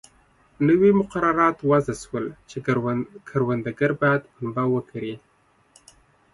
نوي مقررات وضع شول چې کروندګر باید پنبه وکري.